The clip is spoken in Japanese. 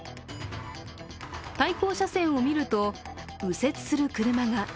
対向車線を見ると、右折する車が。